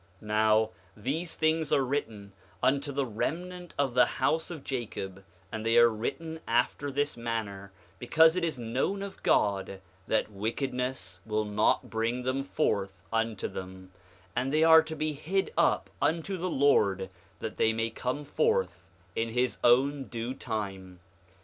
5:12 Now these things are written unto the remnant of the house of Jacob; and they are written after this manner, because it is known of God that wickedness will not bring them forth unto them; and they are to be hid up unto the Lord that they may come forth in his own due time.